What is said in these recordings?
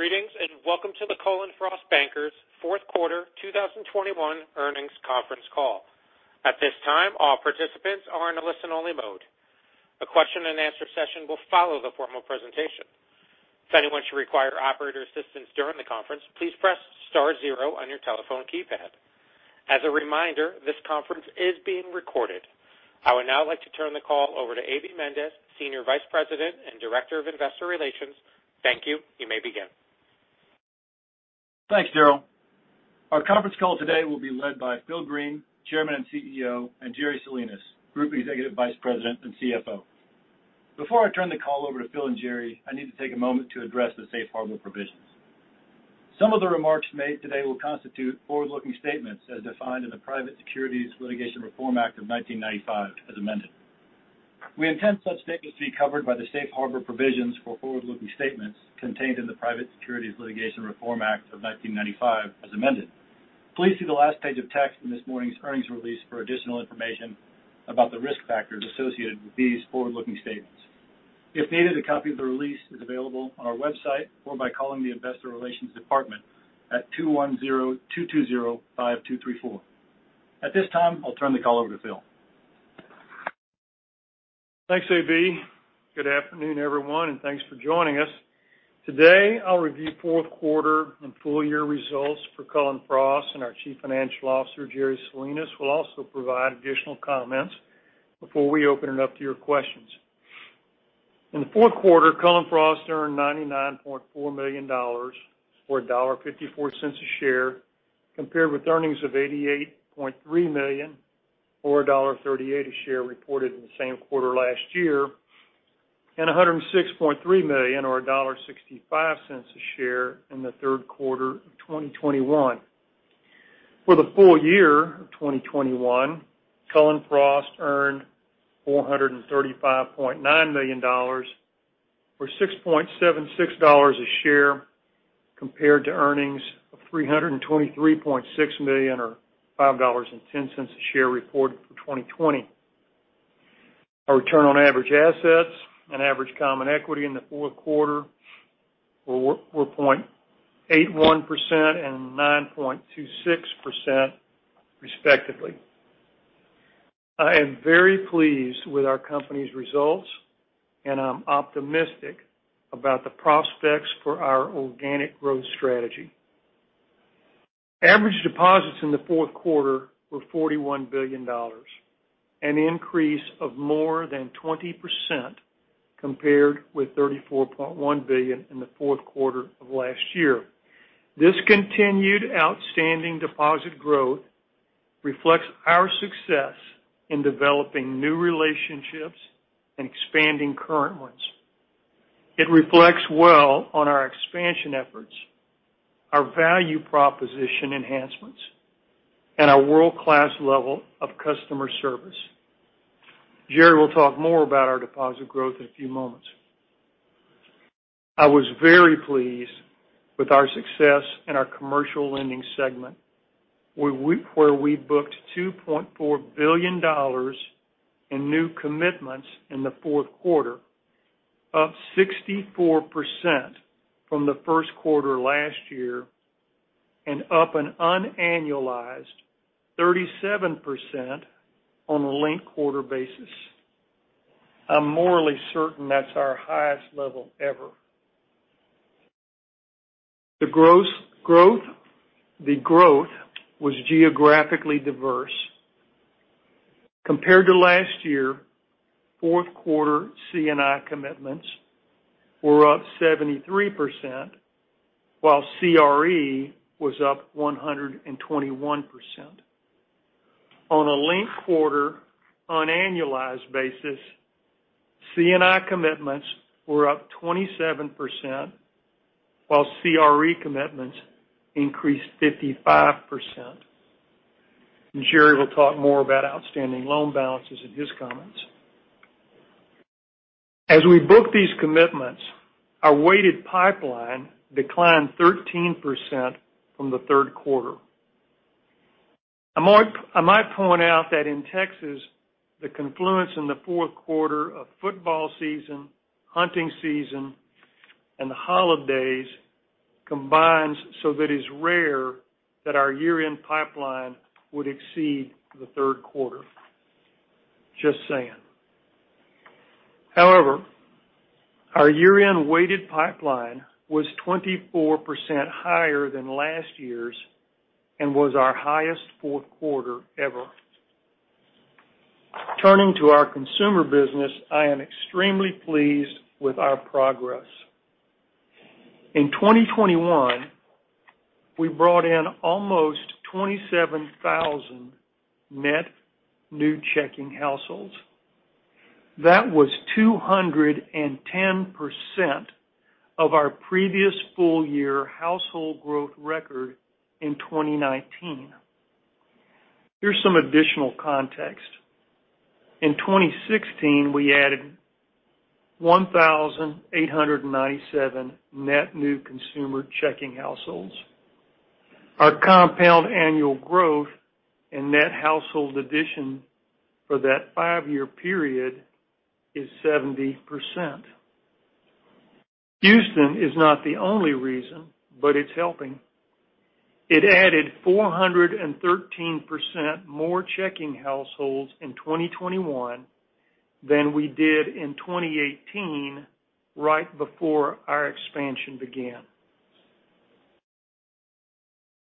Greetings, and welcome to the Cullen/Frost Bankers Fourth Quarter 2021 earnings conference call. At this time, all participants are in a listen-only mode. A question-and-answer session will follow the formal presentation. If anyone should require operator assistance during the conference, please press star zero on your telephone keypad. As a reminder, this conference is being recorded. I would now like to turn the call over to A.B. Mendez, Senior Vice President and Director of Investor Relations. Thank you. You may begin. Thanks, Daryl. Our conference call today will be led by Phil Green, Chairman and CEO, and Jerry Salinas, Group Executive Vice President and CFO. Before I turn the call over to Phil and Jerry, I need to take a moment to address the safe harbor provisions. Some of the remarks made today will constitute forward-looking statements as defined in the Private Securities Litigation Reform Act of 1995, as amended. We intend such statements to be covered by the safe harbor provisions for forward-looking statements contained in the Private Securities Litigation Reform Act of 1995, as amended. Please see the last page of text in this morning's earnings release for additional information about the risk factors associated with these forward-looking statements. If needed, a copy of the release is available on our website or by calling the investor relations department at 210-220-5234. At this time, I'll turn the call over to Phil. Thanks, AB. Good afternoon, everyone, and thanks for joining us. Today, I'll review fourth quarter and full year results for Cullen/Frost, and our chief financial officer, Jerry Salinas, will also provide additional comments before we open it up to your questions. In the fourth quarter, Cullen/Frost earned $99.4 million, or $1.54 a share, compared with earnings of $88.3 million or $1.38 a share reported in the same quarter last year, and $106.3 million or $1.65 a share in the third quarter of 2021. For the full year of 2021, Cullen/Frost earned $435.9 million or $6.76 a share compared to earnings of $323.6 million or $5.10 a share reported for 2020. Our return on average assets and average common equity in the fourth quarter were 0.81% and 9.26%, respectively. I am very pleased with our company's results, and I'm optimistic about the prospects for our organic growth strategy. Average deposits in the fourth quarter were $41 billion, an increase of more than 20% compared with $34.1 billion in the fourth quarter of last year. This continued outstanding deposit growth reflects our success in developing new relationships and expanding current ones. It reflects well on our expansion efforts, our value proposition enhancements, and our world-class level of customer service. Jerry will talk more about our deposit growth in a few moments. I was very pleased with our success in our commercial lending segment, where we booked $2.4 billion in new commitments in the fourth quarter, up 64% from the first quarter last year and up an unannualized 37% on a linked quarter basis. I'm morally certain that's our highest level ever. The growth was geographically diverse. Compared to last year, fourth quarter C&I commitments were up 73%, while CRE was up 121%. On a linked quarter unannualized basis, C&I commitments were up 27%, while CRE commitments increased 55%. Jerry will talk more about outstanding loan balances in his comments. As we book these commitments, our weighted pipeline declined 13% from the third quarter. I might point out that in Texas, the confluence in the fourth quarter of football season, hunting season, and the holidays combines so that it's rare that our year-end pipeline would exceed the third quarter. Just saying. However, our year-end weighted pipeline was 24% higher than last year's and was our highest fourth quarter ever. Turning to our consumer business, I am extremely pleased with our progress. In 2021, we brought in almost 27,000 net new checking households. That was 210% of our previous full-year household growth record in 2019. Here's some additional context. In 2016, we added 1,897 net new consumer checking households. Our compound annual growth in net household addition for that five year period is 70%. Houston is not the only reason, but it's helping. It added 413% more checking households in 2021 than we did in 2018, right before our expansion began.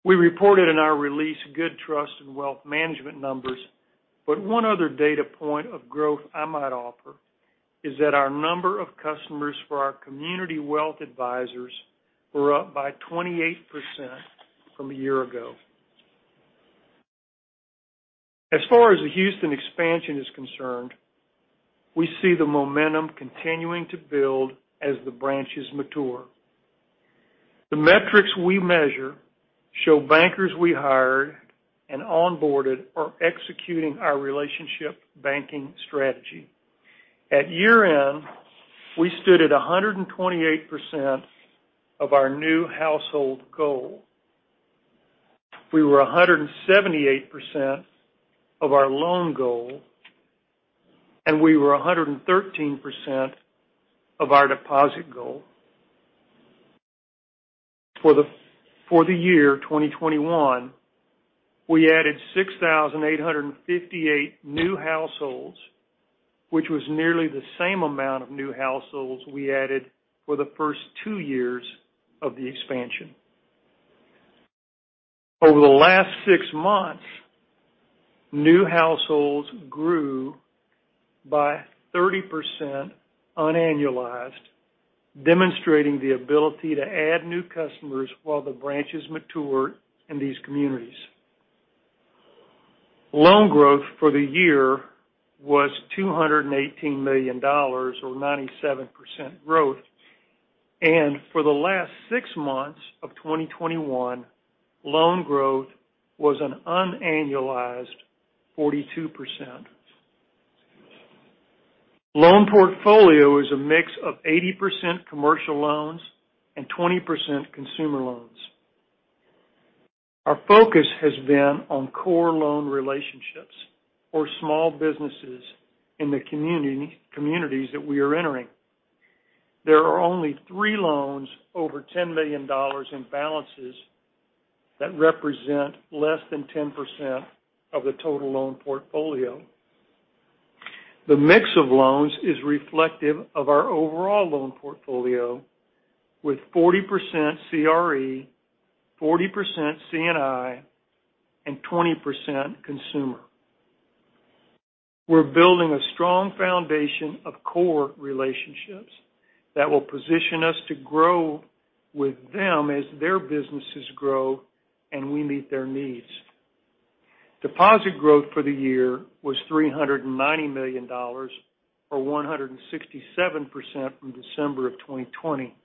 We reported in our release good Trust and Wealth Management numbers, but one other data point of growth I might offer is that our number of customers for our Community Wealth Advisors were up by 28% from a year ago. As far as the Houston expansion is concerned, we see the momentum continuing to build as the branches mature. The metrics we measure show bankers we hired and onboarded are executing our relationship banking strategy. At year-end, we stood at 128% of our new household goal. We were 178% of our loan goal, and we were 113% of our deposit goal. For the year 2021, we added 6,858 new households, which was nearly the same amount of new households we added for the first two years of the expansion. Over the last six months, new households grew by 30% unannualized, demonstrating the ability to add new customers while the branches mature in these communities. Loan growth for the year was $218 million or 97% growth. For the last six months of 2021, loan growth was an unannualized 42%. Loan portfolio is a mix of 80% commercial loans and 20% consumer loans. Our focus has been on core loan relationships or small businesses in the communities that we are entering. There are only three loans over $10 million in balances that represent less than 10% of the total loan portfolio. The mix of loans is reflective of our overall loan portfolio with 40% CRE, 40% C&I, and 20% consumer. We're building a strong foundation of core relationships that will position us to grow with them as their businesses grow and we meet their needs. Deposit growth for the year was $390 million or 167% from December of 2020.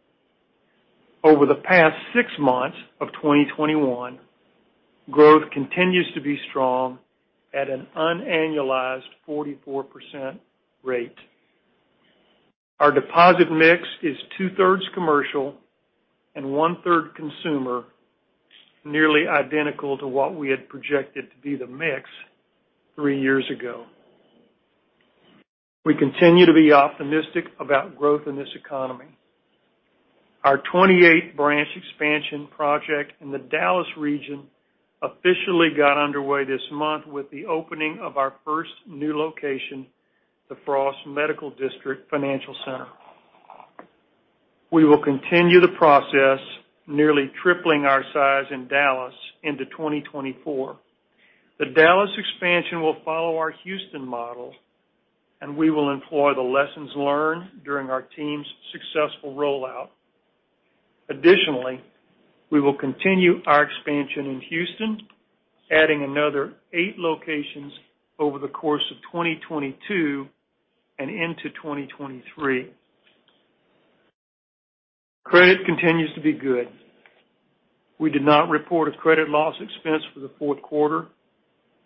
Over the past six months of 2021, growth continues to be strong at an unannualized 44% rate. Our deposit mix is two-thirds commercial and one-third consumer, nearly identical to what we had projected to be the mix three years ago. We continue to be optimistic about growth in this economy. Our 28 branch expansion project in the Dallas region officially got underway this month with the opening of our first new location, the Frost Medical District Financial Center. We will continue the process, nearly tripling our size in Dallas into 2024. The Dallas expansion will follow our Houston model, and we will employ the lessons learned during our team's successful rollout. Additionally, we will continue our expansion in Houston, adding another eight locations over the course of 2022 and into 2023. Credit continues to be good. We did not report a credit loss expense for the fourth quarter.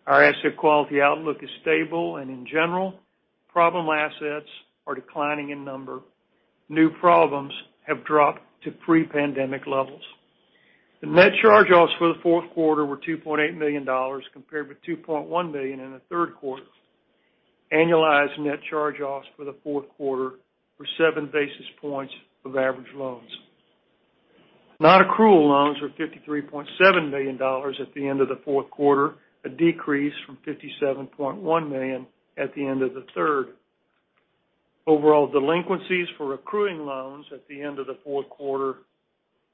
Our asset quality outlook is stable, and in general, problem assets are declining in number. New problems have dropped to pre-pandemic levels. The net charge-offs for the fourth quarter were $2.8 million, compared with $2.1 million in the third quarter. Annualized net charge-offs for the fourth quarter were 7 basis points of average loans. Non-accrual loans were $53.7 million at the end of the fourth quarter, a decrease from $57.1 million at the end of the third. Overall delinquencies for accruing loans at the end of the fourth quarter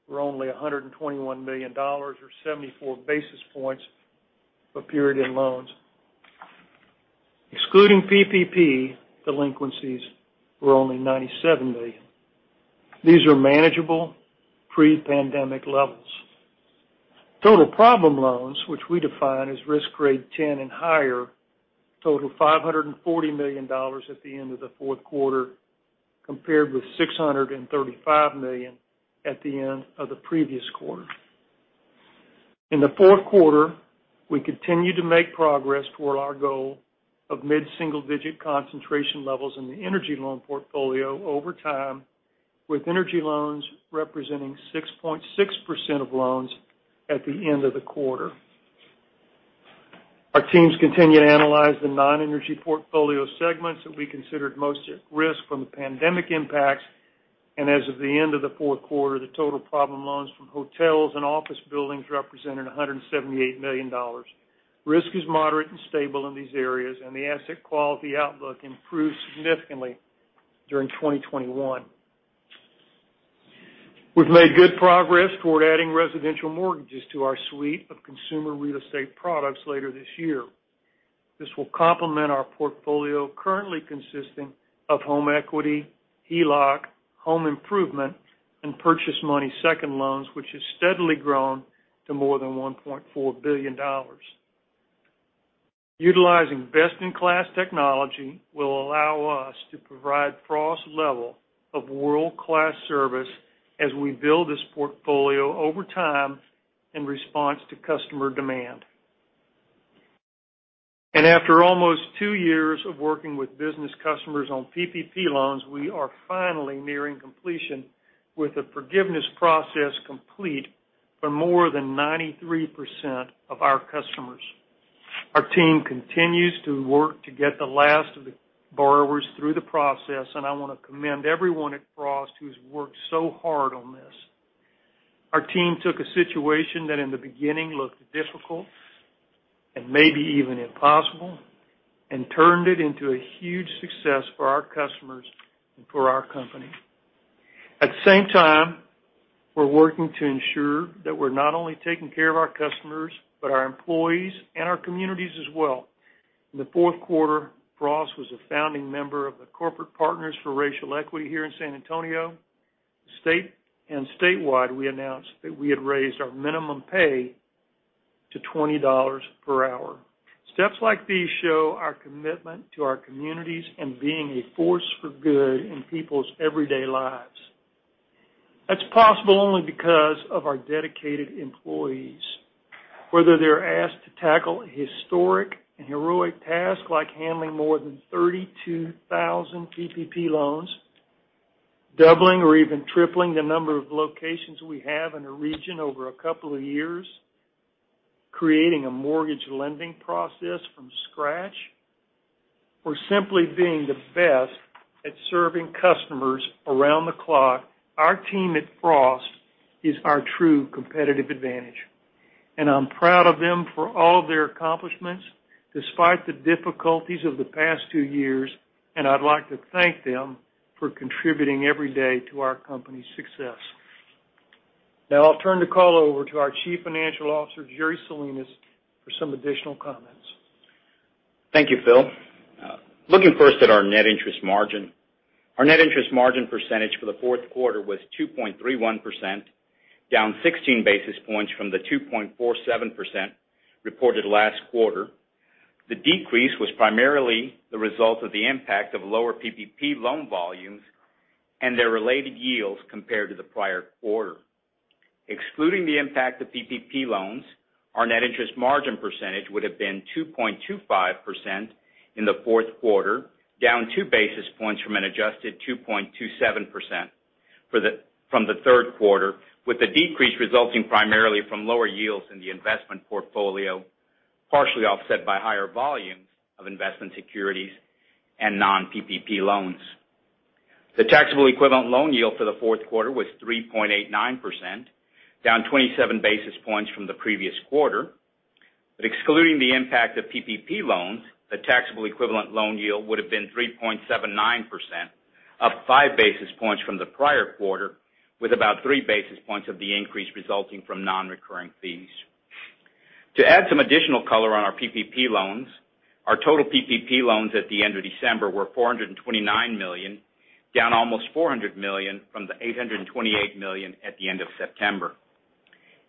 were only $121 million or 74 basis points for period-end loans. Excluding PPP, delinquencies were only $97 million. These are manageable pre-pandemic levels. Total problem loans, which we define as risk grade 10 and higher, total $540 million at the end of the fourth quarter, compared with $635 million at the end of the previous quarter. In the fourth quarter, we continued to make progress toward our goal of mid-single-digit concentration levels in the energy loan portfolio over time. With energy loans representing 6.6% of loans at the end of the quarter. Our teams continue to analyze the non-energy portfolio segments that we considered most at risk from the pandemic impacts. As of the end of the fourth quarter, the total problem loans from hotels and office buildings represented $178 million. Risk is moderate and stable in these areas, and the asset quality outlook improved significantly during 2021. We've made good progress toward adding residential mortgages to our suite of consumer real estate products later this year. This will complement our portfolio currently consisting of home equity, HELOC, home improvement, and purchase money second loans, which has steadily grown to more than $1.4 billion. Utilizing best-in-class technology will allow us to provide Frost level of world-class service as we build this portfolio over time in response to customer demand. After almost two years of working with business customers on PPP loans, we are finally nearing completion with the forgiveness process complete for more than 93% of our customers. Our team continues to work to get the last of the borrowers through the process, and I wanna commend everyone at Frost who's worked so hard on this. Our team took a situation that in the beginning looked difficult and maybe even impossible, and turned it into a huge success for our customers and for our company. At the same time, we're working to ensure that we're not only taking care of our customers, but our employees and our communities as well. In the fourth quarter, Frost was a founding member of the Corporate Partners for Racial Equity here in San Antonio, state, and statewide, we announced that we had raised our minimum pay to $20 per hour. Steps like these show our commitment to our communities and being a force for good in people's everyday lives. That's possible only because of our dedicated employees. Whether they're asked to tackle historic and heroic tasks like handling more than 32,000 PPP loans, doubling or even tripling the number of locations we have in a region over a couple of years, creating a mortgage lending process from scratch, or simply being the best at serving customers around the clock, our team at Frost is our true competitive advantage, and I'm proud of them for all their accomplishments despite the difficulties of the past two years, and I'd like to thank them for contributing every day to our company's success. Now I'll turn the call over to our Chief Financial Officer, Jerry Salinas, for some additional comments. Thank you, Phil. Looking first at our net interest margin. Our net interest margin percentage for the fourth quarter was 2.31%, down 16 basis points from the 2.47% reported last quarter. The decrease was primarily the result of the impact of lower PPP loan volumes and their related yields compared to the prior quarter. Excluding the impact of PPP loans, our net interest margin percentage would have been 2.25% in the fourth quarter, down two basis points from an adjusted 2.27% from the third quarter, with the decrease resulting primarily from lower yields in the investment portfolio, partially offset by higher volumes of investment securities and non-PPP loans. The taxable equivalent loan yield for the fourth quarter was 3.89%, down 27 basis points from the previous quarter. Excluding the impact of PPP loans, the taxable equivalent loan yield would have been 3.79%, up 5 basis points from the prior quarter, with about 3 basis points of the increase resulting from non-recurring fees. To add some additional color on our PPP loans, our total PPP loans at the end of December were $429 million, down almost $400 million from the $828 million at the end of September.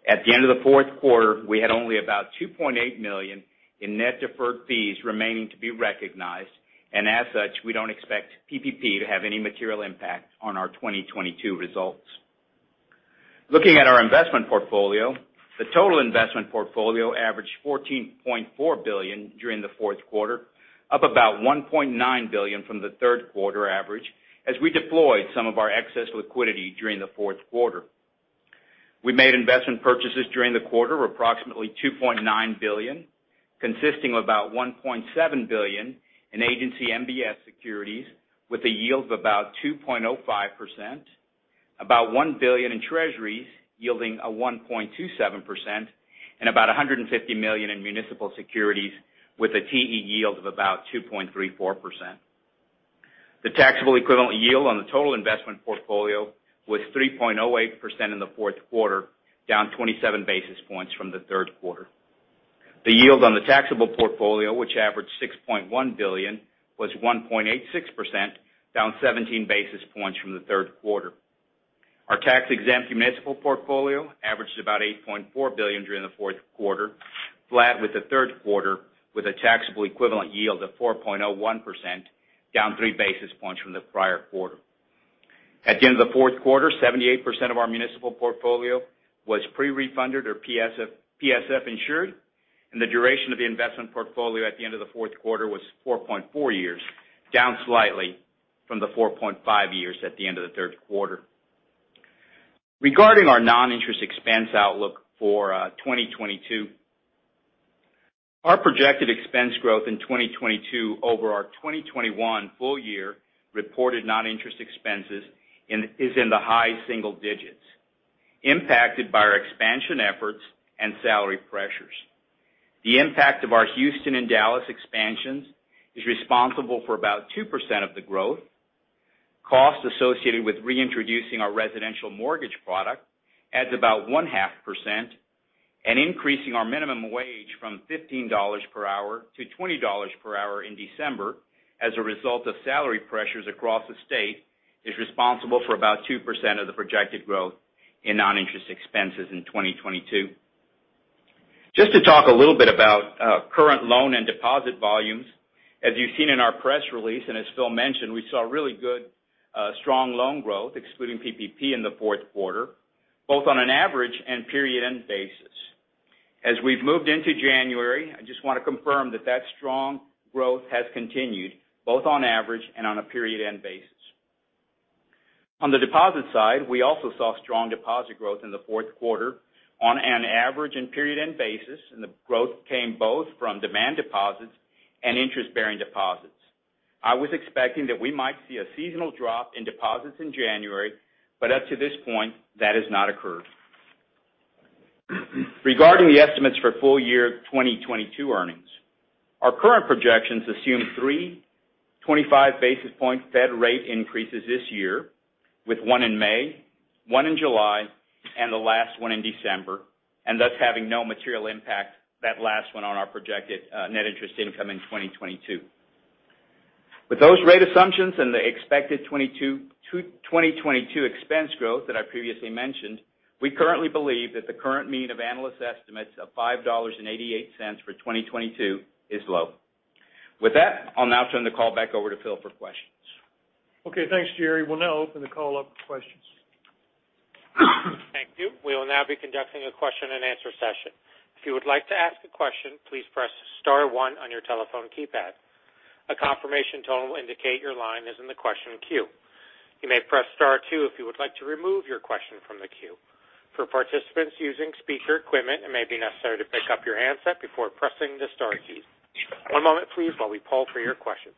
At the end of the fourth quarter, we had only about $2.8 million in net deferred fees remaining to be recognized. As such, we don't expect PPP to have any material impact on our 2022 results. Looking at our investment portfolio, the total investment portfolio averaged $14.4 billion during the fourth quarter, up about $1.9 billion from the third quarter average as we deployed some of our excess liquidity during the fourth quarter. We made investment purchases during the quarter of approximately $2.9 billion, consisting of about $1.7 billion in agency MBS securities with a yield of about 2.05%, about $1 billion in treasuries yielding 1.27%, and about $150 million in municipal securities with a TE yield of about 2.34%. The taxable equivalent yield on the total investment portfolio was 3.08% in the fourth quarter, down 27 basis points from the third quarter. The yield on the taxable portfolio, which averaged $6.1 billion, was 1.86%, down 17 basis points from the third quarter. Our tax-exempt municipal portfolio averaged about $8.4 billion during the fourth quarter, flat with the third quarter, with a taxable equivalent yield of 4.01%, down 3 basis points from the prior quarter. At the end of the fourth quarter, 78% of our municipal portfolio was pre-refunded or PSF-insured. The duration of the investment portfolio at the end of the fourth quarter was 4.4 years, down slightly from the 4.5 years at the end of the third quarter. Regarding our non-interest expense outlook for 2022. Our projected expense growth in 2022 over our 2021 full year reported non-interest expenses is in the high single digits, impacted by our expansion efforts and salary pressures. The impact of our Houston and Dallas expansions is responsible for about 2% of the growth. Costs associated with reintroducing our residential mortgage product adds about 0.5% and increasing our minimum wage from $15 per hour to $20 per hour in December as a result of salary pressures across the state, is responsible for about 2% of the projected growth in non-interest expenses in 2022. Just to talk a little bit about current loan and deposit volumes. As you've seen in our press release, and as Phil mentioned, we saw really good, strong loan growth, excluding PPP in the fourth quarter, both on an average and period-end basis. As we've moved into January, I just wanna confirm that that strong growth has continued both on average and on a period-end basis. On the deposit side, we also saw strong deposit growth in the fourth quarter on an average and period-end basis, and the growth came both from demand deposits and interest-bearing deposits. I was expecting that we might see a seasonal drop in deposits in January, but up to this point, that has not occurred. Regarding the estimates for full year 2022 earnings, our current projections assume three 25 basis point Fed rate increases this year, with one in May, one in July, and the last one in December, and thus having no material impact, that last one, on our projected net interest income in 2022. With those rate assumptions and the expected 2022 expense growth that I previously mentioned, we currently believe that the current mean of analyst estimates of $5.88 for 2022 is low. With that, I'll now turn the call back over to Phil for questions. Okay, thanks, Jerry. We'll now open the call up for questions. Thank you. We will now be conducting a question-and-answer session. If you would like to ask a question, please press star one on your telephone keypad. A confirmation tone will indicate your line is in the question queue. You may press star two if you would like to remove your question from the queue. For participants using speaker equipment, it may be necessary to pick up your handset before pressing the star keys. One moment please while we poll for your questions.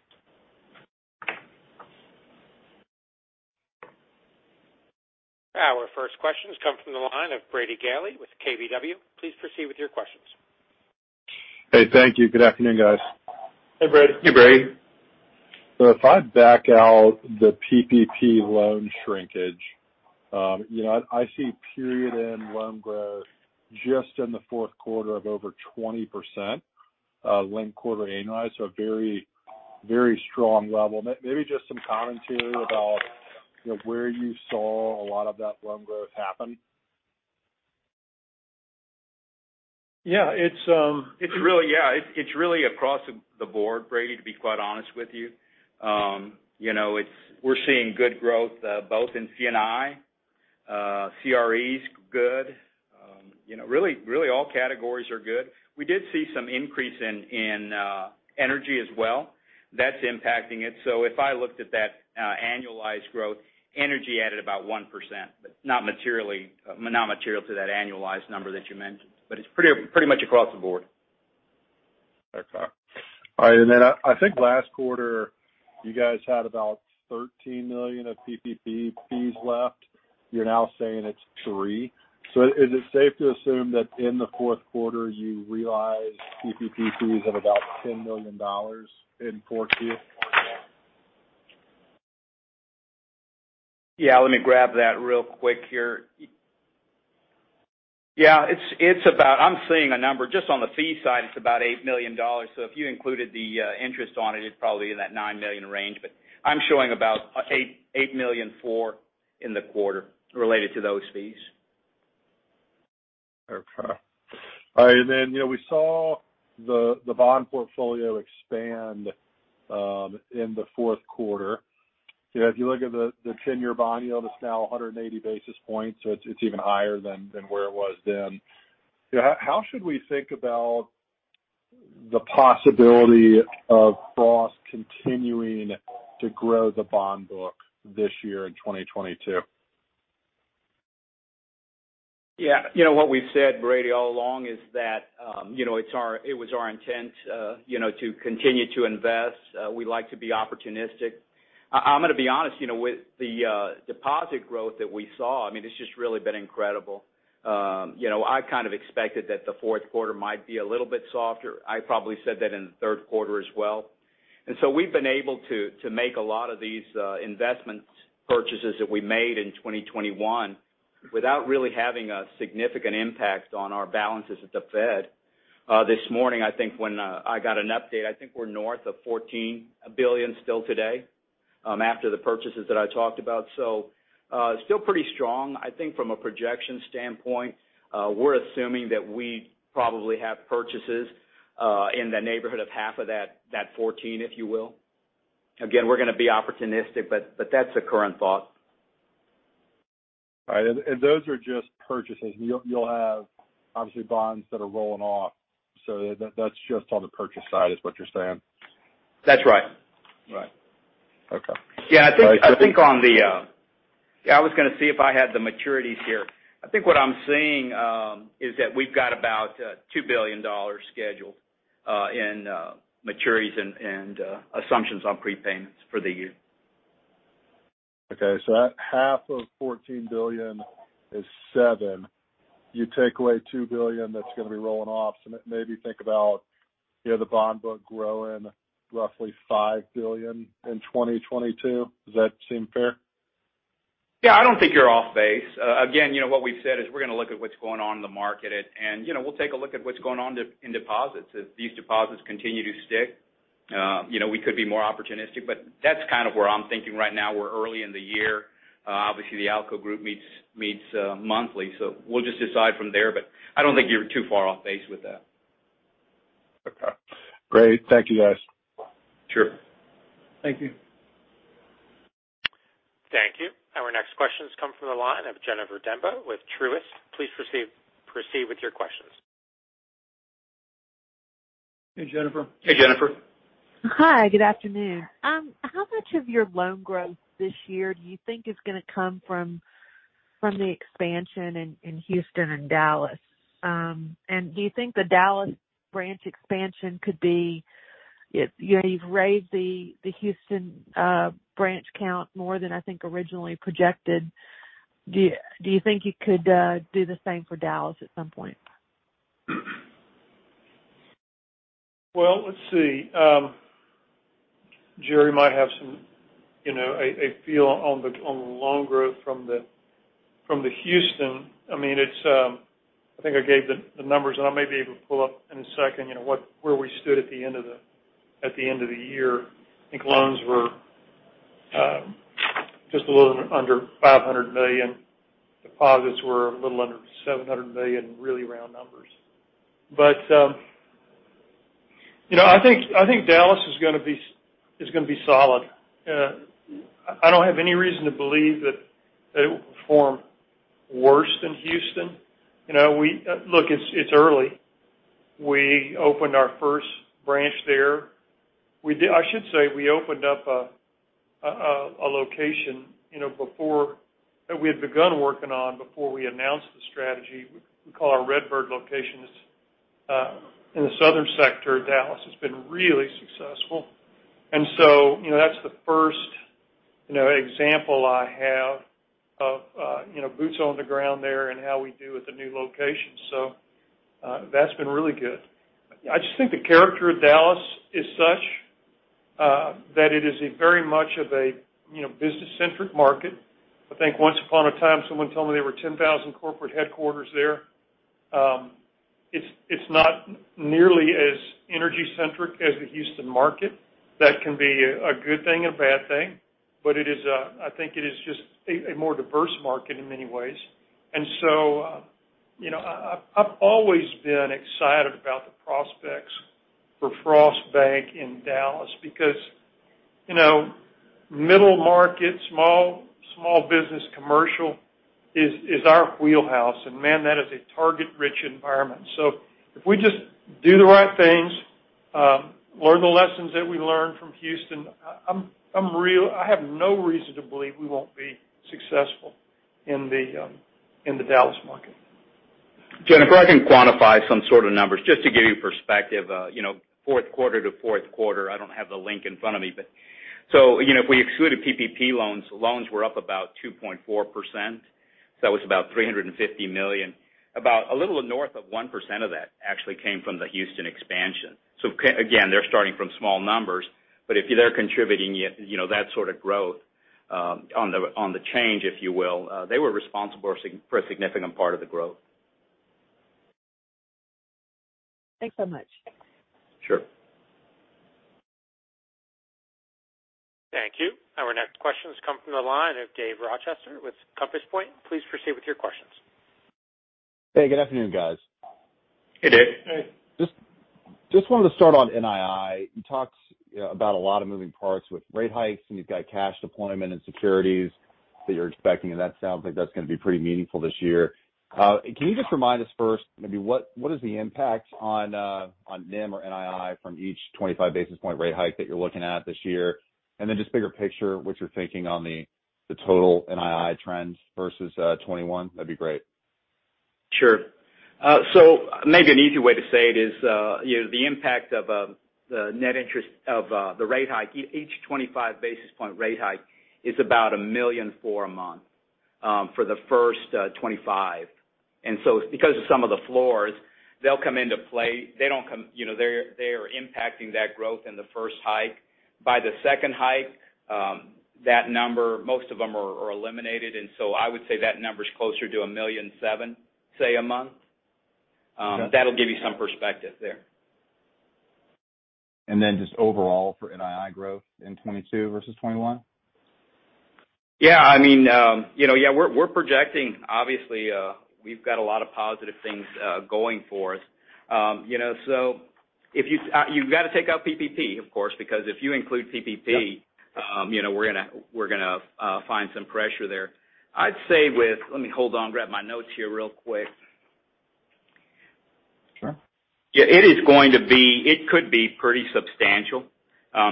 Our first questions come from the line of Brady Gailey with KBW. Please proceed with your questions. Hey, thank you. Good afternoon, guys. Hey, Brady. Hey, Brady. If I back out the PPP loan shrinkage, you know, I see period-end loan growth just in the fourth quarter of over 20%, linked quarter annualized. A very, very strong level. Maybe just some commentary about, you know, where you saw a lot of that loan growth happen. Yeah, it's. It's really, yeah, it's really across the board, Brady, to be quite honest with you. You know, we're seeing good growth both in C&I, CRE is good. You know, really all categories are good. We did see some increase in energy as well. That's impacting it. If I looked at that annualized growth, energy added about 1%, but not materially, not material to that annualized number that you mentioned. It's pretty much across the board. Okay. All right. I think last quarter, you guys had about $13 million of PPP fees left. You're now saying it's three. Is it safe to assume that in the fourth quarter, you realized PPP fees of about $10 million in fourth quarter? Yeah, let me grab that real quick here. Yeah, it's about. I'm seeing a number just on the fee side, it's about $8 million. So if you included the interest on it's probably in that $9 million range. But I'm showing about $8.4 million in the quarter related to those fees. Okay. All right. You know, we saw the bond portfolio expand in the fourth quarter. You know, if you look at the ten-year bond yield, it's now 180 basis points, so it's even higher than where it was then. How should we think about the possibility of Frost continuing to grow the bond book this year in 2022? Yeah. You know, what we've said, Brady, all along is that, you know, it was our intent, you know, to continue to invest. We like to be opportunistic. I'm gonna be honest, you know, with the deposit growth that we saw, I mean, it's just really been incredible. You know, I kind of expected that the fourth quarter might be a little bit softer. I probably said that in the third quarter as well. We've been able to make a lot of these investment purchases that we made in 2021 without really having a significant impact on our balances at the Fed. This morning, I think when I got an update, I think we're north of $14 billion still today, after the purchases that I talked about, so still pretty strong. I think from a projection standpoint, we're assuming that we probably have purchases in the neighborhood of half of that 14, if you will. Again, we're gonna be opportunistic, but that's the current thought. Right. Those are just purchases. You'll have obviously bonds that are rolling off. That's just on the purchase side is what you're saying? That's right. Right. Okay. Yeah, I was gonna see if I had the maturities here. I think what I'm seeing is that we've got about $2 billion scheduled in maturities and assumptions on prepayments for the year. Okay. Half of $14 billion is $7 billion. You take away $2 billion that's gonna be rolling off, so maybe think about, you know, the bond book growing roughly $5 billion in 2022. Does that seem fair? Yeah, I don't think you're off base. Again, you know, what we've said is we're gonna look at what's going on in the market. You know, we'll take a look at what's going on in deposits. If these deposits continue to stick, you know, we could be more opportunistic, but that's kind of where I'm thinking right now. We're early in the year. Obviously, the ALCO group meets monthly, so we'll just decide from there. I don't think you're too far off base with that. Okay. Great. Thank you, guys. Sure. Thank you. Thank you. Our next question comes from the line of Jennifer Demba with Truist. Please proceed with your questions. Hey, Jennifer. Hey, Jennifer. Hi, good afternoon. How much of your loan growth this year do you think is gonna come from the expansion in Houston and Dallas? Do you think, if you know, you've raised the Houston branch count more than I think originally projected, you could do the same for Dallas at some point? Well, let's see. Jerry might have some, you know, a feel on the loan growth from the Houston. I mean, it's. I think I gave the numbers, and I may be able to pull up in a second, you know, where we stood at the end of the year. I think loans were just a little under $500 million. Deposits were a little under $700 million, really round numbers. You know, I think Dallas is gonna be solid. I don't have any reason to believe that it will perform worse than Houston. You know, Look, it's early. We opened our first branch there. I should say we opened up a location, you know, before that we had begun working on before we announced the strategy. We call our Redbird locations in the southern sector of Dallas. It's been really successful. You know, that's the first, you know, example I have of, you know, boots on the ground there and how we do with the new location. That's been really good. I just think the character of Dallas is such that it is a very much of a, you know, business-centric market. I think once upon a time, someone told me there were 10,000 corporate headquarters there. It's not nearly as energy-centric as the Houston market. That can be a good thing and a bad thing, but it is, I think it is just a more diverse market in many ways. You know, I've always been excited about the prospects for Frost Bank in Dallas because, you know, middle market, small business commercial is our wheelhouse, and man, that is a target-rich environment. If we just do the right things, learn the lessons that we learned from Houston, I'm I have no reason to believe we won't be successful in the Dallas market. Jennifer, I can quantify some sort of numbers just to give you perspective. You know, fourth quarter to fourth quarter, I don't have the link in front of me. You know, if we excluded PPP loans were up about 2.4%, so it's about $350 million. About a little north of 1% of that actually came from the Houston expansion. Again, they're starting from small numbers, but if they're contributing, you know, that sort of growth on the change, if you will, they were responsible for a significant part of the growth. Thanks so much. Sure. Thank you. Our next question has come from the line of Dave Rochester with Compass Point. Please proceed with your questions. Hey, good afternoon, guys. Hey, Dave. Hey. Just wanted to start on NII. You talked, you know, about a lot of moving parts with rate hikes, and you've got cash deployment and securities that you're expecting, and that sounds like that's gonna be pretty meaningful this year. Can you just remind us first maybe what is the impact on on NIM or NII from each 25 basis point rate hike that you're looking at this year? Then just bigger picture, what you're thinking on the total NII trends versus 2021. That'd be great. Sure. So maybe an easier way to say it is, you know, the impact of the net interest of the rate hike, each 25 basis point rate hike is about $1.4 million a month, for the first 25. Because of some of the floors, they'll come into play. They don't come, you know, they're impacting that growth in the first hike. By the second hike, that number, most of them are eliminated. I would say that number is closer to $1.7 million, say, a month. That'll give you some perspective there. Just overall for NII growth in 2022 versus 2021. Yeah. I mean, you know, yeah, we're projecting. Obviously, we've got a lot of positive things going for us. You know, you've got to take out PPP, of course, because if you include PPP. Yeah. You know, we're gonna find some pressure there. I'd say. Let me hold on, grab my notes here real quick. Sure. Yeah, it could be pretty substantial,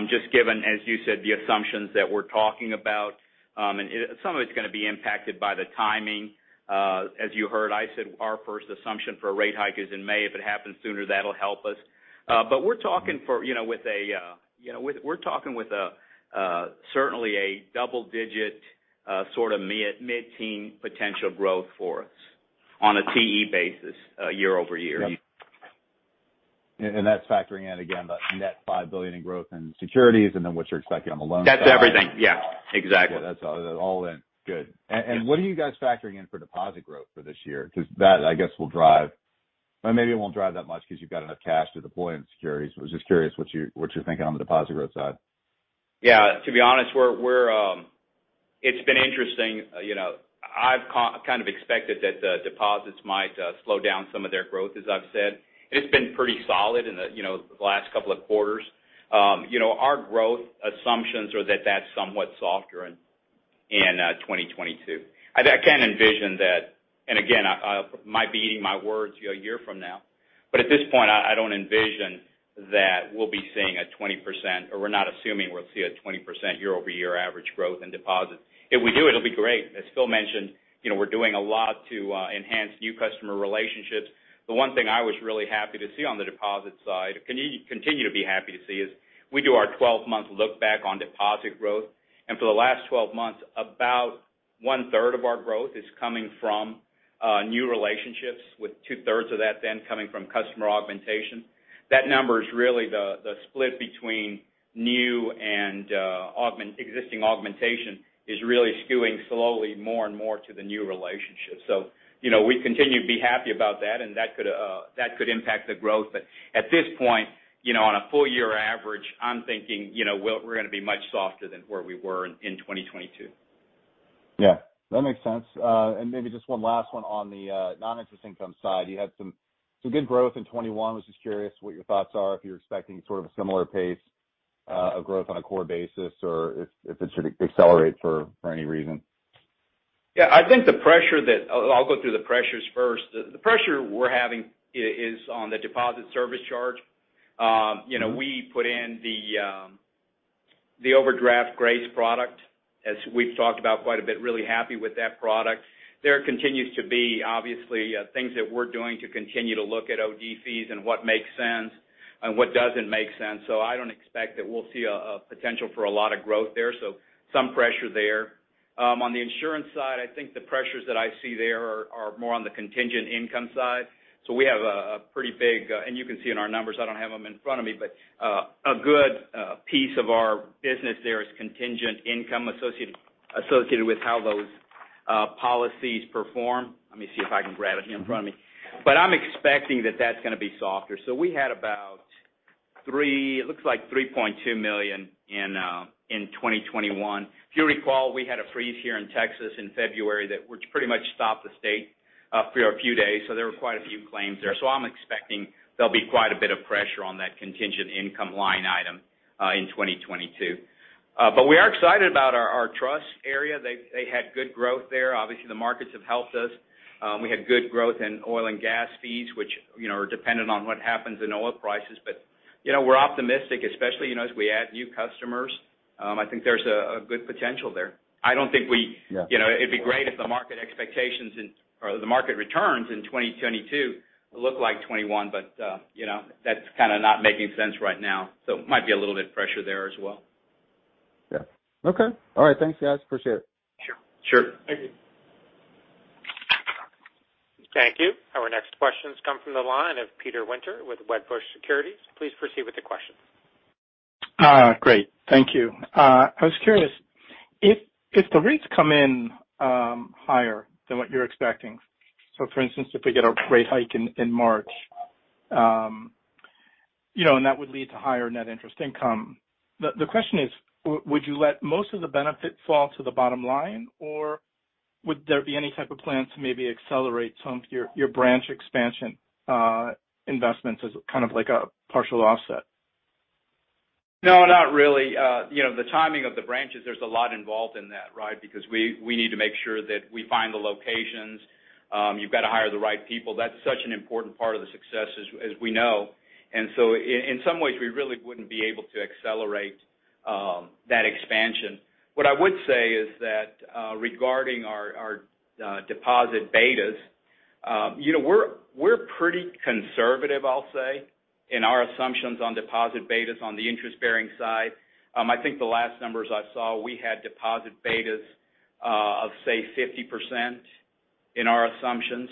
just given, as you said, the assumptions that we're talking about. Some of it's gonna be impacted by the timing. As you heard, I said our first assumption for a rate hike is in May. If it happens sooner, that'll help us. We're talking, you know, with a certainly double-digit sort of mid-teen potential growth for us on a TE basis, year-over-year. Yep. That's factoring in, again, the net $5 billion in growth in securities and then what you're expecting on the loan side. That's everything. Yeah. Exactly. That's all in. Good. Yeah. What are you guys factoring in for deposit growth for this year? Because that, I guess, will drive. Or maybe it won't drive that much because you've got enough cash to deploy in securities. I was just curious what you're thinking on the deposit growth side. Yeah. To be honest, we're... It's been interesting. You know, I've kind of expected that the deposits might slow down some of their growth, as I've said. It's been pretty solid in the, you know, the last couple of quarters. You know, our growth assumptions are that that's somewhat softer in 2022. I can envision that, and again, I might be eating my words a year from now, but at this point, I don't envision that we'll be seeing a 20%, or we're not assuming we'll see a 20% year-over-year average growth in deposits. If we do, it'll be great. As Phil mentioned, you know, we're doing a lot to enhance new customer relationships. The one thing I was really happy to see on the deposit side, continue to be happy to see, is we do our 12-month look back on deposit growth. For the last 12 months, about 1/3 of our growth is coming from new relationships with 2/3 of that then coming from customer augmentation. That number is really the split between new and existing augmentation is really skewing slowly more and more to the new relationship. You know, we continue to be happy about that, and that could impact the growth. At this point, you know, on a full year average, I'm thinking, you know, we're gonna be much softer than where we were in 2022. Yeah, that makes sense. Maybe just one last one on the non-interest income side. You had some good growth in 2021. I was just curious what your thoughts are, if you're expecting sort of a similar pace of growth on a core basis or if it should accelerate for any reason. Yeah. I think I'll go through the pressures first. The pressure we're having is on the deposit service charge. You know, we put in the overdraft grace product, as we've talked about quite a bit. Really happy with that product. There continues to be, obviously, things that we're doing to continue to look at OD fees and what makes sense and what doesn't make sense. I don't expect that we'll see a potential for a lot of growth there. Some pressure there. On the insurance side, I think the pressures that I see there are more on the contingent income side. We have a pretty big and you can see in our numbers, I don't have them in front of me, but a good piece of our business there is contingent income associated with how those policies perform. Let me see if I can grab it here in front of me. I'm expecting that that's gonna be softer. We had about $3.2 million in 2021. If you recall, we had a freeze here in Texas in February that which pretty much stopped the state for a few days. There were quite a few claims there. I'm expecting there'll be quite a bit of pressure on that contingent income line item in 2022. We are excited about our trust area. They had good growth there. Obviously, the markets have helped us. We had good growth in oil and gas fees, which, you know, are dependent on what happens in oil prices. You know, we're optimistic, especially, you know, as we add new customers. I think there's a good potential there. I don't think we- Yeah. You know, it'd be great if the market expectations in or the market returns in 2022 look like 2021, but, you know, that's kinda not making sense right now. It might be a little bit pressure there as well. Yeah. Okay. All right. Thanks, guys. Appreciate it. Sure. Thank you. Thank you. Our next question comes from the line of Peter Winter with Wedbush Securities. Please proceed with the question. Great. Thank you. I was curious if the rates come in higher than what you're expecting, so for instance, if we get a rate hike in March, you know, and that would lead to higher net interest income, the question is: Would you let most of the benefit fall to the bottom line, or would there be any type of plan to maybe accelerate some of your branch expansion investments as kind of like a partial offset? No, not really. You know, the timing of the branches, there's a lot involved in that, right? Because we need to make sure that we find the locations. You've got to hire the right people. That's such an important part of the success as we know. In some ways, we really wouldn't be able to accelerate that expansion. What I would say is that, regarding our deposit betas, you know, we're pretty conservative, I'll say, in our assumptions on deposit betas on the interest-bearing side. I think the last numbers I saw, we had deposit betas of, say, 50% in our assumptions.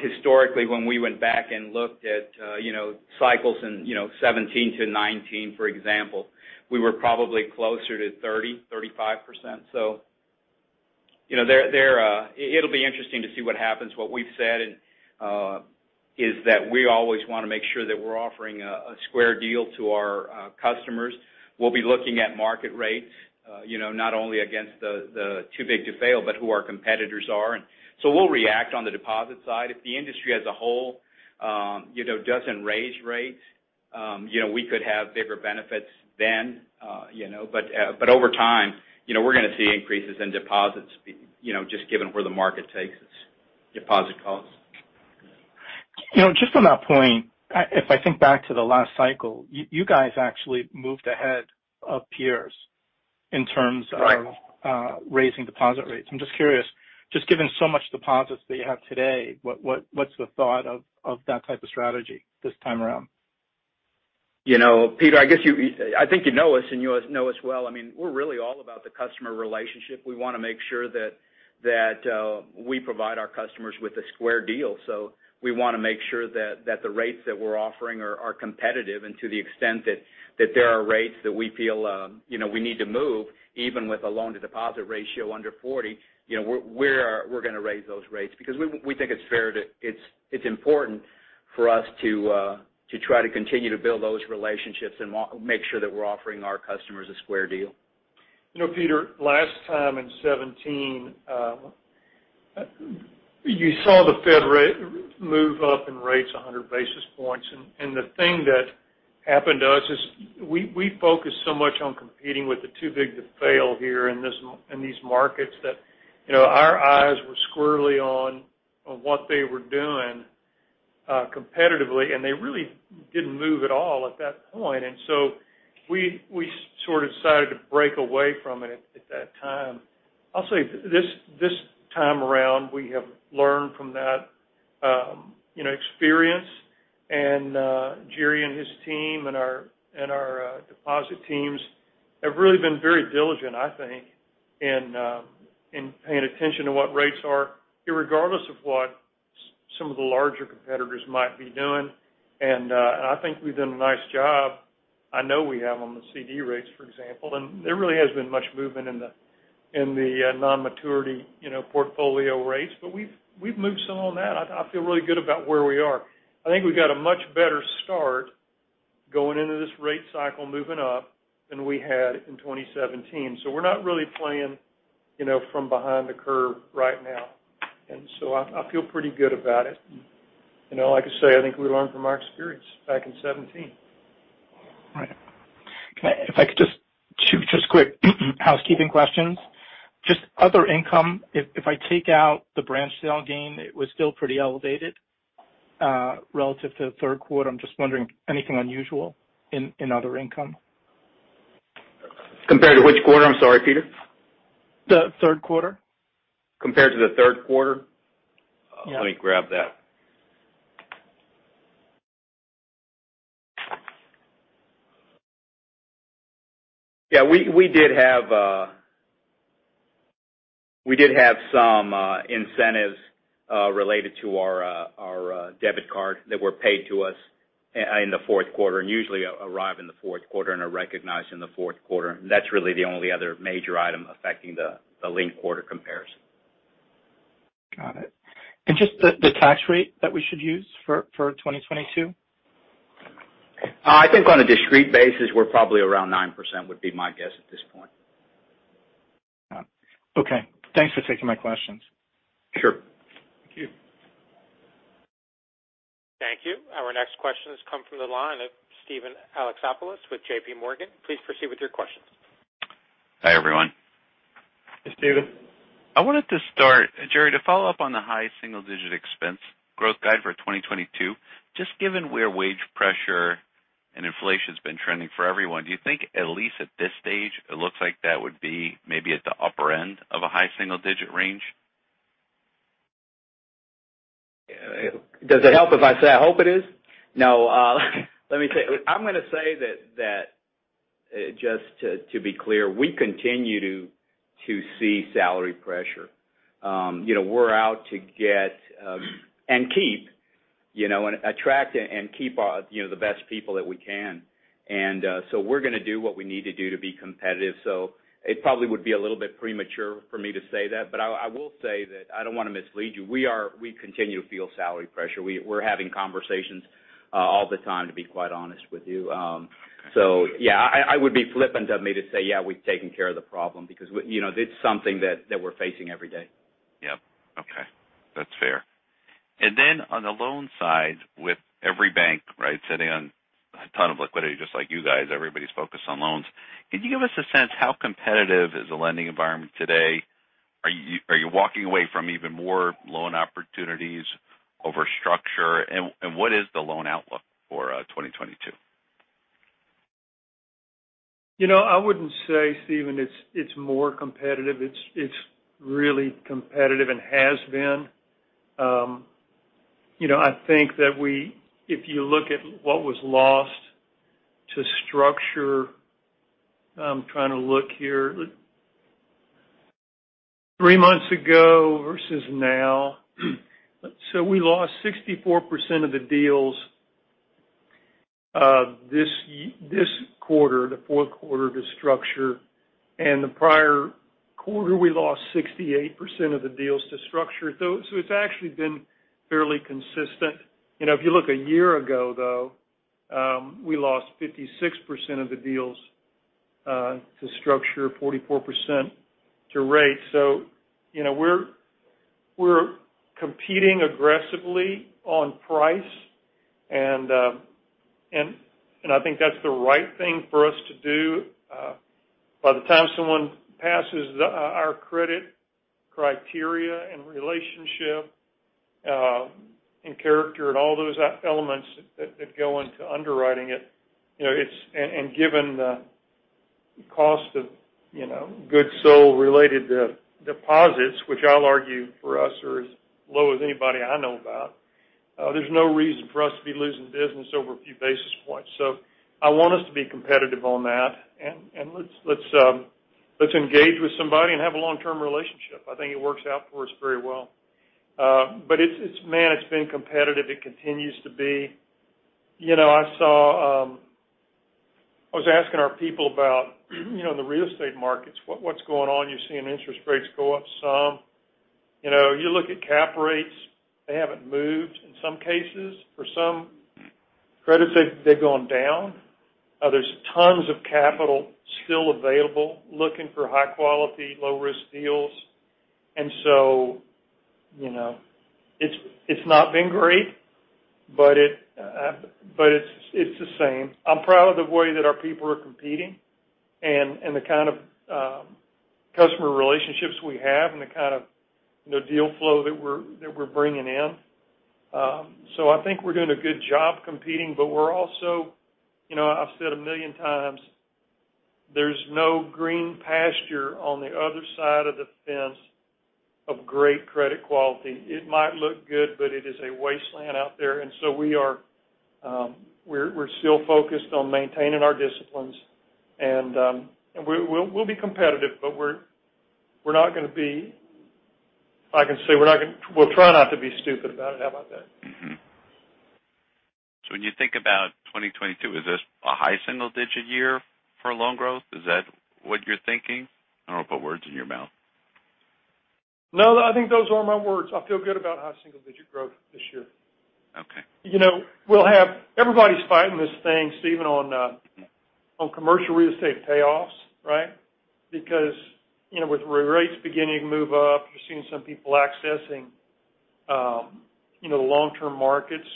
Historically, when we went back and looked at, you know, cycles in, you know, 2017-2019, for example, we were probably closer to 30%-35%. It'll be interesting to see what happens. What we've said is that we always wanna make sure that we're offering a square deal to our customers. We'll be looking at market rates, you know, not only against the too big to fail, but who our competitors are. We'll react on the deposit side. If the industry as a whole, you know, doesn't raise rates, you know, we could have bigger benefits then, you know. Over time, you know, we're gonna see increases in deposit costs just given where the market takes us. You know, just on that point, if I think back to the last cycle, you guys actually moved ahead of peers in terms of Right. Raising deposit rates. I'm just curious, just given so much deposits that you have today, what's the thought of that type of strategy this time around? You know, Peter. I guess you know us and you know us well. I mean, we're really all about the customer relationship. We wanna make sure that we provide our customers with a square deal. We wanna make sure that the rates that we're offering are competitive. To the extent that there are rates that we feel, you know, we need to move, even with a loan-to-deposit ratio under 40%, you know, we're gonna raise those rates because we think it's fair. It's important for us to try to continue to build those relationships and make sure that we're offering our customers a square deal. You know, Peter, last time in 2017, you saw the Fed rate move up in rates 100 basis points. The thing that happened to us is we focused so much on competing with the too big to fail here in these markets that, you know, our eyes were squarely on what they were doing competitively, and they really didn't move at all at that point. We sort of decided to break away from it at that time. I'll say this time around, we have learned from that, you know, experience. Jerry and his team and our deposit teams have really been very diligent, I think, in paying attention to what rates are irregardless of what some of the larger competitors might be doing. I think we've done a nice job. I know we have on the CD rates, for example. There really hasn't been much movement in the non-maturity, you know, portfolio rates, but we've moved some on that. I feel really good about where we are. I think we got a much better start going into this rate cycle moving up than we had in 2017. We're not really playing, you know, from behind the curve right now. I feel pretty good about it. You know, like I say, I think we learned from our experience back in 2017. Right. Just two quick housekeeping questions. Other income, if I take out the branch sale gain, it was still pretty elevated relative to the third quarter. I'm just wondering if anything unusual in other income? Compared to which quarter? I'm sorry, Peter. The third quarter. Compared to the third quarter? Yeah. Let me grab that. Yeah, we did have some incentives related to our debit card that were paid to us in the fourth quarter, and usually arrive in the fourth quarter and are recognized in the fourth quarter. That's really the only other major item affecting the linked quarter comparison. Got it. Just the tax rate that we should use for 2022? I think on a discrete basis, we're probably around 9% would be my guess at this point. Okay. Thanks for taking my questions. Sure. Thank you. Thank you. Our next question has come from the line of Steven Alexopoulos with JPMorgan. Please proceed with your questions. Hi, everyone. Hey, Steven. I wanted to start, Jerry, to follow up on the high single-digit expense growth guide for 2022. Just given where wage pressure and inflation's been trending for everyone, do you think at least at this stage, it looks like that would be maybe at the upper end of a high single-digit range? Does it help if I say I hope it is? No. I'm gonna say that just to be clear, we continue to see salary pressure. You know, we're out to get and keep, you know, attract and keep, you know, the best people that we can. We're gonna do what we need to do to be competitive. It probably would be a little bit premature for me to say that. I will say that I don't wanna mislead you. We continue to feel salary pressure. We're having conversations all the time, to be quite honest with you. Yeah, it would be flippant of me to say yeah, we've taken care of the problem because, you know, it's something that we're facing every day. Yep. Okay. That's fair. On the loan side, with every bank, right, sitting on a ton of liquidity, just like you guys, everybody's focused on loans. Can you give us a sense how competitive is the lending environment today? Are you walking away from even more loan opportunities over structure? What is the loan outlook for 2022? You know, I wouldn't say, Steven, it's more competitive. It's really competitive and has been. You know, I think that if you look at what was lost to structure, I'm trying to look here. Three months ago versus now, so we lost 64% of the deals this quarter, the fourth quarter, to structure. The prior quarter, we lost 68% of the deals to structure. So it's actually been fairly consistent. You know, if you look a year ago, though, we lost 56% of the deals to structure, 44% to rate. So, you know, we're competing aggressively on price, and I think that's the right thing for us to do. By the time someone passes our credit criteria and relationship, and character and all those elements that go into underwriting it, you know, it's given the cost of, you know, good core-related deposits, which I'll argue for us are as low as anybody I know about, there's no reason for us to be losing business over a few basis points. I want us to be competitive on that. Let's engage with somebody and have a long-term relationship. I think it works out for us very well. But it's, man, it's been competitive. It continues to be. You know, I saw I was asking our people about, you know, in the real estate markets, what's going on? You're seeing interest rates go up some. You know, you look at cap rates, they haven't moved in some cases. For some credits, they've gone down. There's tons of capital still available, looking for high quality, low risk deals. You know, it's not been great, but it's the same. I'm proud of the way that our people are competing and the kind of customer relationships we have and the kind of deal flow that we're bringing in. So I think we're doing a good job competing, but we're also you know, I've said a million times, there's no green pasture on the other side of the fence of great credit quality. It might look good, but it is a wasteland out there. We're still focused on maintaining our disciplines and we'll be competitive. We'll try not to be stupid about it. How about that? Mm-hmm. When you think about 2022, is this a high single digit year for loan growth? Is that what you're thinking? I don't wanna put words in your mouth. No, I think those are my words. I feel good about high single-digit growth this year. Okay. Everybody's fighting this thing, Steven, on commercial real estate payoffs, right? Because, you know, with re-rates beginning to move up, you're seeing some people accessing, you know, the long-term markets,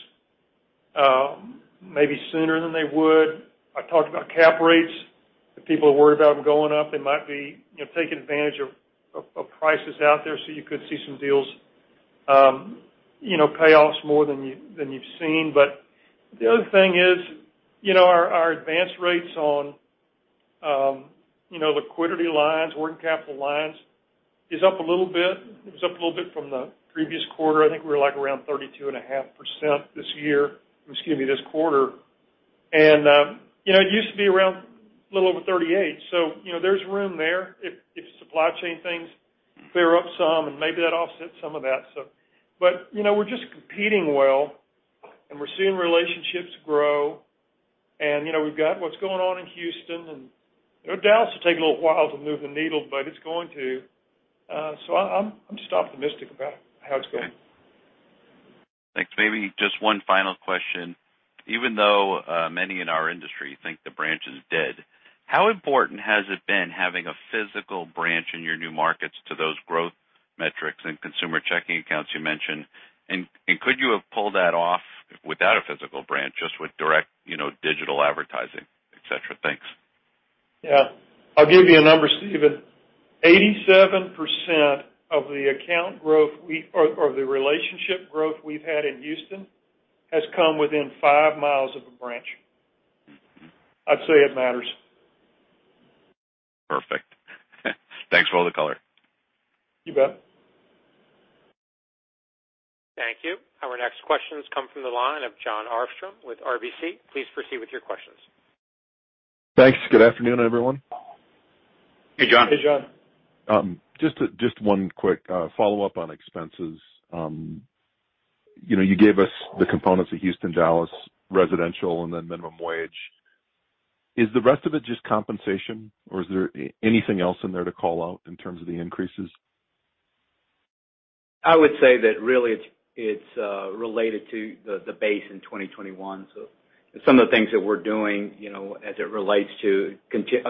maybe sooner than they would. I talked about cap rates. The people are worried about them going up. They might be, you know, taking advantage of prices out there, so you could see some deals, you know, payoffs more than you've seen. But the other thing is, you know, our advance rates on, you know, liquidity lines, working capital lines is up a little bit. It was up a little bit from the previous quarter. I think we were, like, around 32.5% this quarter. You know, it used to be around a little over 38. You know, there's room there if supply chain things clear up some, and maybe that offsets some of that. You know, we're just competing well, and we're seeing relationships grow. You know, we've got what's going on in Houston. You know, Dallas will take a little while to move the needle, but it's going to. I'm just optimistic about how it's going. Okay. Thanks. Maybe just one final question. Even though many in our industry think the branch is dead, how important has it been having a physical branch in your new markets to those growth metrics and consumer checking accounts you mentioned? And could you have pulled that off without a physical branch, just with direct, you know, digital advertising, et cetera? Thanks. Yeah. I'll give you a number, Steven. 87% of the account growth or the relationship growth we've had in Houston has come within five miles of a branch. Mm-hmm. I'd say it matters. Perfect. Thanks for all the color. You bet. Thank you. Our next questions come from the line of Jon Arfstrom with RBC. Please proceed with your questions. Thanks. Good afternoon, everyone. Hey, Jon. Hey, Jon. Just one quick follow-up on expenses. You know, you gave us the components of Houston, Dallas, residential, and then minimum wage. Is the rest of it just compensation, or is there anything else in there to call out in terms of the increases? I would say that really it's related to the base in 2021. Some of the things that we're doing, you know, as it relates to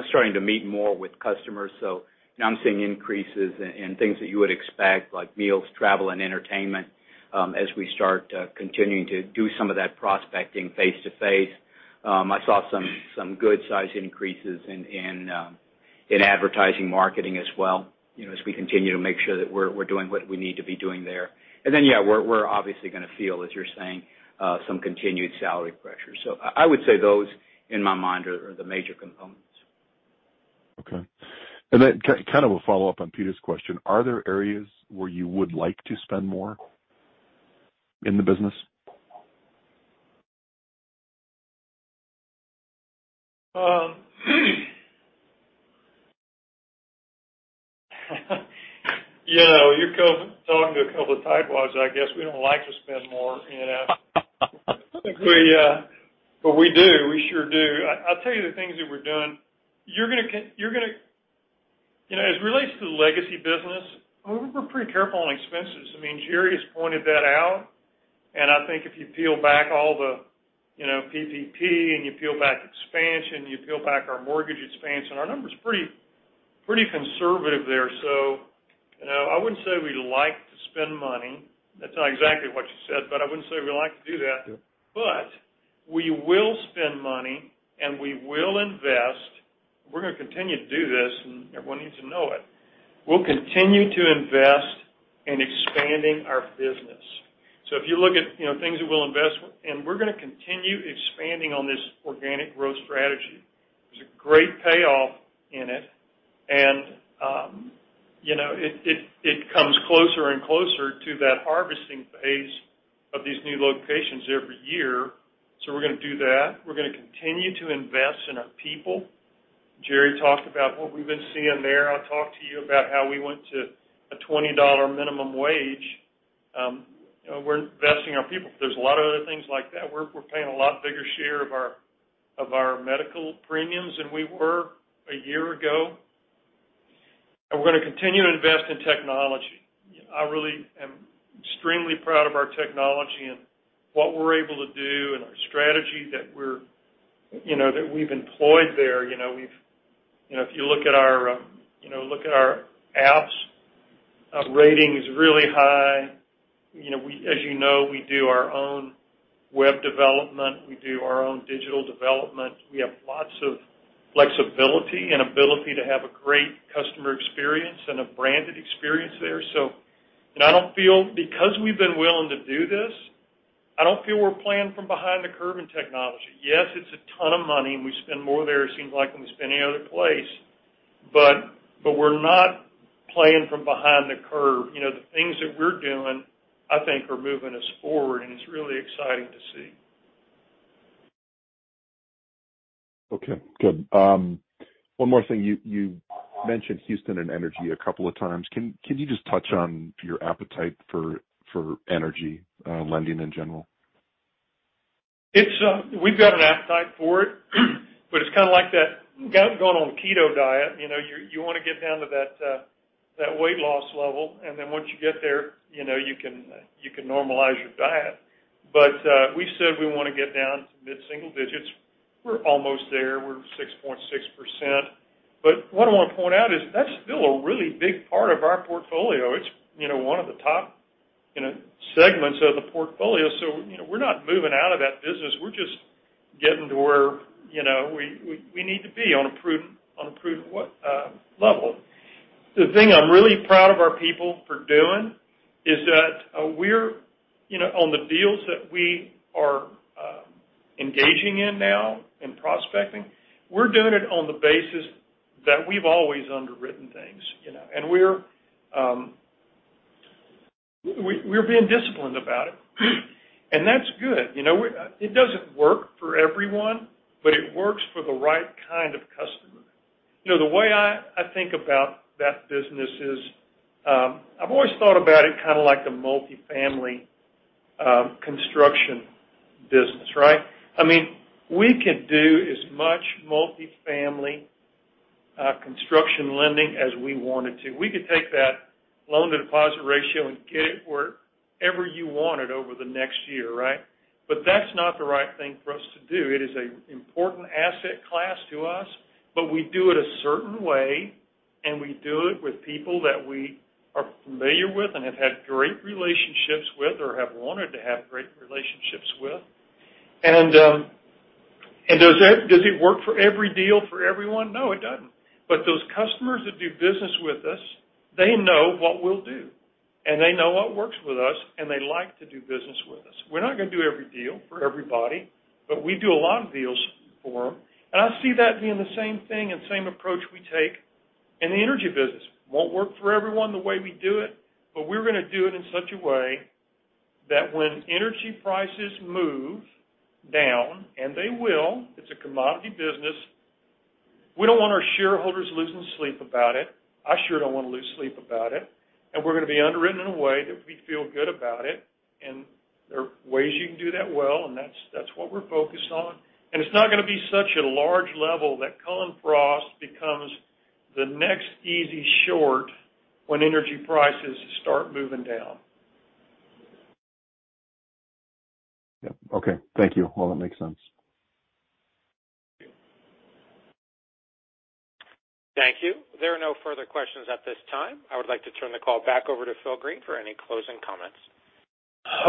starting to meet more with customers. Now I'm seeing increases in things that you would expect, like meals, travel, and entertainment, as we start continuing to do some of that prospecting face-to-face. I saw some good size increases in advertising marketing as well, you know, as we continue to make sure that we're doing what we need to be doing there. We're obviously gonna feel, as you're saying, some continued salary pressures. I would say those, in my mind, are the major components. Okay. Kind of a follow-up on Peter's question, are there areas where you would like to spend more in the business? You know, you're talking to a couple of tightwads, I guess. We don't like to spend more, you know? But we do. We sure do. I'll tell you the things that we're doing. You're gonna... You know, as it relates to the legacy business, we're pretty careful on expenses. I mean, Jerry has pointed that out. I think if you peel back all the, you know, PPP and you peel back expansion, you peel back our mortgage expansion, our number's pretty conservative there. You know, I wouldn't say we like to spend money. That's not exactly what you said, but I wouldn't say we like to do that. Yep. We will spend money, and we will invest. We're gonna continue to do this, and everyone needs to know it. We'll continue to invest in expanding our business. If you look at, you know, things that we'll invest with, and we're gonna continue expanding on this organic growth strategy. There's a great payoff in it. You know, it comes closer and closer to that harvesting phase of these new locations every year. We're gonna do that. We're gonna continue to invest in our people. Jerry talked about what we've been seeing there. I talked to you about how we went to a $20 minimum wage. You know, we're investing in our people. There's a lot of other things like that. We're paying a lot bigger share of our medical premiums than we were a year ago. We're gonna continue to invest in technology. I really am extremely proud of our technology and what we're able to do and our strategy that we're, you know, that we've employed there. You know, if you look at our apps, our rating is really high. You know, as you know, we do our own web development. We do our own digital development. We have lots of flexibility and ability to have a great customer experience and a branded experience there. I don't feel, because we've been willing to do this, we're playing from behind the curve in technology. Yes, it's a ton of money, and we spend more there, it seems like, than we spend any other place. But we're not playing from behind the curve. You know, the things that we're doing, I think, are moving us forward, and it's really exciting to see. Okay, good. One more thing. You mentioned Houston and energy a couple of times. Can you just touch on your appetite for energy lending in general? It's. We've got an appetite for it, but it's kind of like that going on a keto diet. You know, you wanna get down to that weight loss level, and then once you get there, you know, you can normalize your diet. We said we wanna get down to mid-single digits. We're almost there. We're 6.6%. What I wanna point out is that's still a really big part of our portfolio. It's, you know, one of the top, you know, segments of the portfolio. You know, we're not moving out of that business. We're just getting to where, you know, we need to be on a prudent level. The thing I'm really proud of our people for doing is that we're, you know, on the deals that we are engaging in now and prospecting, we're doing it on the basis that we've always underwritten things, you know. We're being disciplined about it, and that's good. You know, it doesn't work for everyone, but it works for the right kind of customer. You know, the way I think about that business is, I've always thought about it kinda like a multifamily construction business, right? I mean, we can do as much multifamily construction lending as we want it to. We could take that loan-to-deposit ratio and get it wherever you want it over the next year, right? That's not the right thing for us to do. It is an important asset class to us, but we do it a certain way, and we do it with people that we are familiar with and have had great relationships with or have wanted to have great relationships with. Does it work for every deal for everyone? No, it doesn't. Those customers that do business with us, they know what we'll do, and they know what works with us, and they like to do business with us. We're not gonna do every deal for everybody, but we do a lot of deals for them. I see that being the same thing and same approach we take in the energy business. Won't work for everyone the way we do it, but we're gonna do it in such a way that when energy prices move down, and they will, it's a commodity business, we don't want our shareholders losing sleep about it. I sure don't wanna lose sleep about it. We're gonna be underwritten in a way that we feel good about it. There are ways you can do that well, and that's what we're focused on. It's not gonna be such a large level that Cullen/Frost becomes the next easy short when energy prices start moving down. Yep. Okay. Thank you. Well, that makes sense. Thank you. Thank you. There are no further questions at this time. I would like to turn the call back over to Phil Green for any closing comments.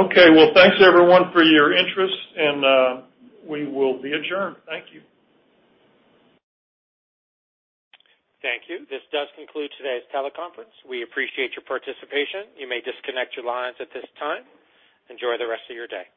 Okay. Well, thanks everyone for your interest, and we will be adjourned. Thank you. Thank you. This does conclude today's teleconference. We appreciate your participation. You may disconnect your lines at this time. Enjoy the rest of your day.